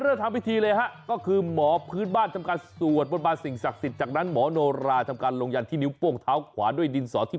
เหมือนเป็นสิ่งที่ไม่ดี